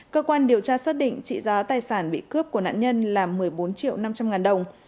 cơ quan điều tra xác định trị giá tài sản bị cướp của nạn nhân là một mươi bốn triệu năm trăm linh ngàn đồng